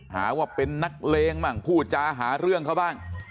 หาว่าเป็นนักเลงบ้างพูดจาหาเรื่องเขาบ้าง